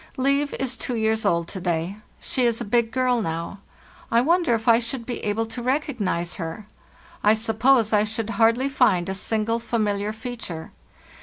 " Liv is two years old to day. "She is a big girl now. I wonder if I should be able to recognize her? I suppose I should hardly find a single familiar feature.